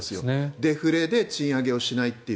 デフレで賃上げしないという。